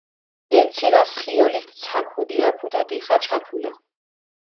ე ცირასჷ ხიოლით ცა ქუდი აფუ დო დიხა ჩაფულა.